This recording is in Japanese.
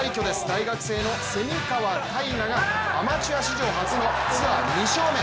大学生の蝉川泰果がアマチュア史上初のツアー２勝目。